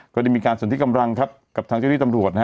ก็ได้มีการสนทิกกำลังกับทางเจ้าหน้าตำรวจ